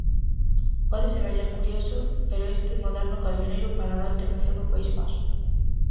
Pode semellar curioso, pero este moderno cancioneiro para gaita naceu no País Vasco.